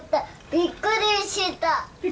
びっくりした？